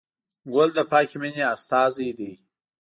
ګل د پاکې مینې استازی دی.